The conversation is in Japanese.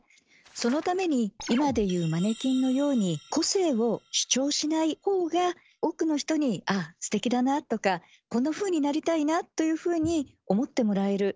そのために今でいうマネキンのように個性を主張しないほうが多くの人に「ああすてきだな」とか「こんなふうになりたいな」というふうに思ってもらえる。